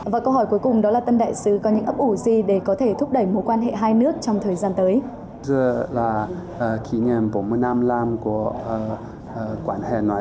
và câu hỏi cuối cùng đó là tân đại sứ có những ấp ủ gì để có thể thúc đẩy mối quan hệ hai nước trong thời gian tới